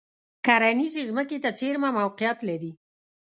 کرنیزې ځمکې ته څېرمه موقعیت لري.